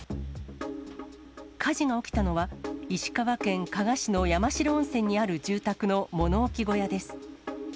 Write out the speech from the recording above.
火事が起きたのは、石川県加賀市の山代温泉にある住宅の物置小屋です。